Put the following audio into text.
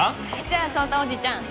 じゃあ聡太おじちゃん